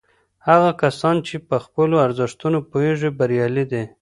هغه کسان چې په خپلو ارزښتونو پوهیږي بریالي دي.